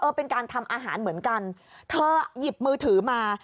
เป็นการทำอาหารเหมือนกันเธอหยิบมือถือมา